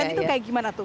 itu kayak gimana tuh